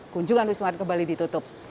kunjungan wisman ke bali ditutup